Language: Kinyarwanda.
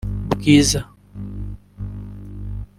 Bwiza